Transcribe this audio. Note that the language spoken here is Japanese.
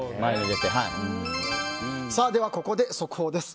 ではここで速報です。